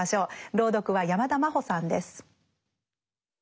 朗読は山田真歩さんです。